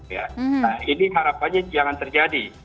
nah ini harapannya jangan terjadi